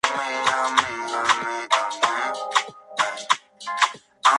Asimismo, E. Bernárdez en su obra "Los Mitos Germánicos" señala esta etimología.